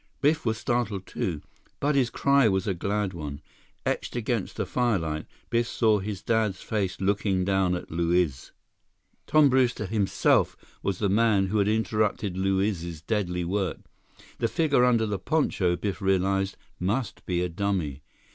Biff was startled, too, but his cry was a glad one. Etched against the firelight, Biff saw his dad's face looking down at Luiz. Tom Brewster himself was the man who had interrupted Luiz's deadly work. The figure under the poncho, Biff realized, must be a dummy.